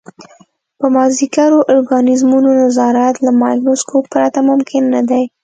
په مایکرو ارګانیزمونو نظارت له مایکروسکوپ پرته ممکن نه دی.